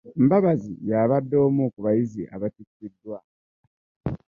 Mbabazi y'abadde omu ku bayizi abaatikkiddwa